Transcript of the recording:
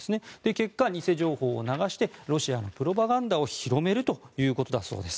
結果、偽情報を流してロシアのプロパガンダを広めるということだそうです。